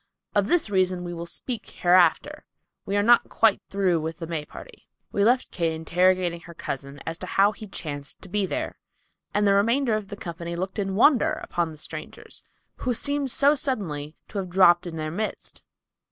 Of this reason we will speak hereafter. We are not quite through with the May party. We left Kate interrogating her cousin as to how he chanced to be there, and the remainder of the company looked in wonder upon the strangers, who seemed so suddenly to have dropped in their midst.